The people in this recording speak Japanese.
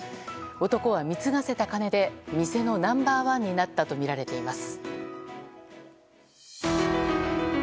男は貢がせた金で店のナンバー１になったとみられています。